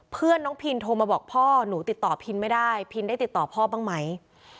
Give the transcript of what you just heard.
เพื่อนน้องพินโทรมาบอกพ่อหนูติดต่อพินไม่ได้พินได้ติดต่อพ่อบ้างไหม